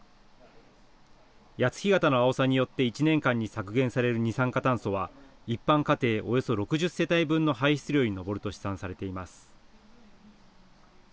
谷津干潟のアオサによって１年間に削減される二酸化炭素は一般家庭およそ６０世帯分の排出量に上ると試算されています。